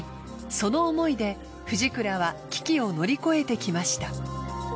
その思いでフジクラは危機を乗り越えてきました。